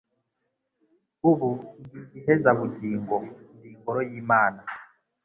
Ubu ndi igihezabugingo, ndi ingoro y'Imana